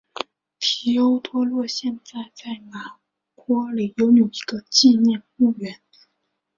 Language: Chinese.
提欧多洛现在在拿坡里拥有一个纪念墓园。